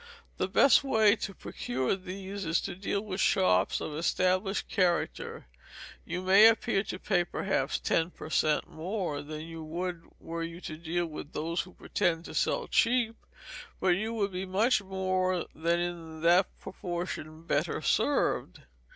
The best way to procure these is to deal with shops of established character: you may appear to pay, perhaps, ten per cent. more than you would were you to deal with those who pretend to sell cheap, but you would be much more than in that proportion better served.